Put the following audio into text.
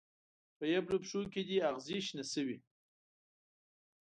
په یبلو پښو کې دې اغزې شنه شوي